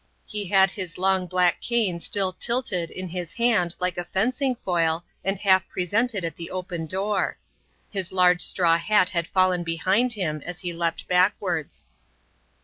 He had his long black cane still tilted in his hand like a fencing foil and half presented at the open door. His large straw hat had fallen behind him as he leapt backwards.